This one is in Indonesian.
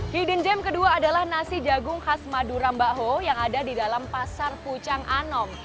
hidden game kedua adalah nasi jagung khas madura mbak ho yang ada di dalam pasar pucang anom